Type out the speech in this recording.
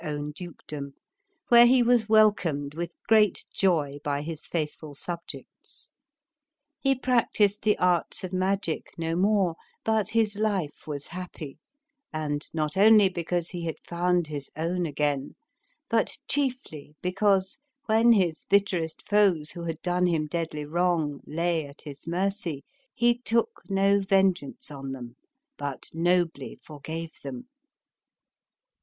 own dukedom, where he was welcomed with great joy by his faith ful subjects. He practised the arts of magic no more, but his life was happy, and not only because he had found his own again, hut chiefly because, when his bitterest foes who had done him deadly wrong lay at his mercy, he took no vengeance on them, but nobly forgave them.